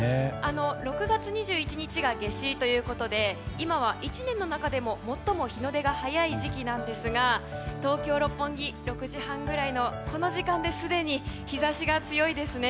６月２１日が夏至ということで今は１年の中でも最も日の出の早い時期ですが東京・六本木６時半ぐらいのこの時間ですでに日差しが強いですね。